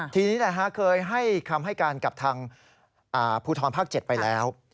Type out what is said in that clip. ทีนี้เคยให้คำให้การกับทางภูทรภาค๗ไปแล้ว